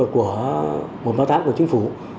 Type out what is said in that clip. của một ba mươi tám của chính phủ